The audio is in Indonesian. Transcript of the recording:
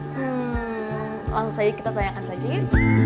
hmm langsung saja kita tanyakan saja ya